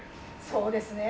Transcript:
そうですね。